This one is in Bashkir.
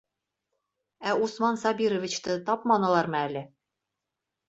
Ә Усман Сабировичты тапманылармы әле?